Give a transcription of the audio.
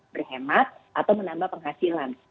berhemat atau menambah penghasilan